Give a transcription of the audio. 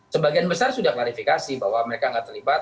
sebagian besar sudah klarifikasi bahwa mereka tidak terlibat